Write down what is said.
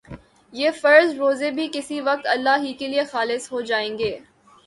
یہ فرض روزے بھی کسی وقت اللہ ہی کے لیے خالص ہو جائیں گے